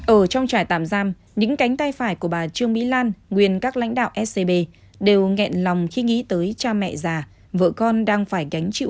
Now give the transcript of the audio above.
ở trong trại tạm giam những cánh tay phải của bà trương mỹ lan nguyên các lãnh đạo scb đều nghẹn lòng khi nghĩ tới cha mẹ già vợ con đang phải gánh chịu